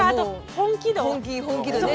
本気度ね。